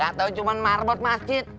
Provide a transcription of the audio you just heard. gak tau cuman marbot masjid